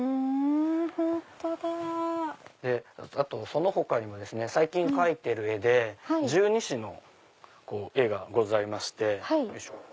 その他にも最近描いてる絵で十二支の絵がございまして。